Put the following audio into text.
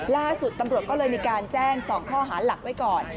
ล่าสุดตำรวจก็เลยมีการแจ้ง๒ข้อหาหลักไว้ก่อน